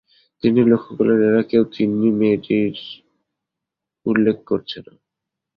তিনি লক্ষ করলেন, এরা কেউ তিন্নি মেয়েটির উল্লেখ করছে না।